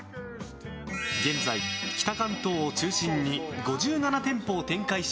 現在、北関東を中心に５７店舗を展開し